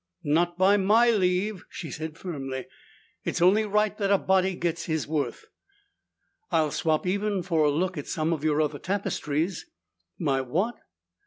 "Not by my leave," she said firmly. "It's only right that a body gets his worth." "I'll swap even for a look at some of your other tapestries." "My what?"